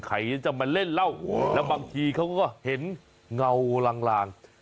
ใครจะมาเล่นเหล้าแล้วบางทีเขาก็เห็นเงาลาง